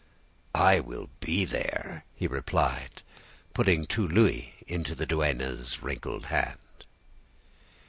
"'I will be there,' he replied, putting two louis in the duenna's wrinkled hand.